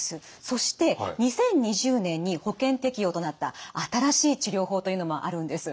そして２０２０年に保険適用となった新しい治療法というのもあるんです。